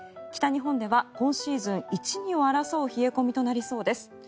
北日本では今シーズン一、二を争う冷え込みとなりそうです。